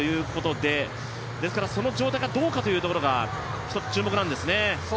ですから、その状態がどうかというところが一つ注目なんですね。